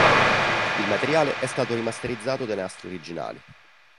Il materiale è stato rimasterizzato dai nastri originali.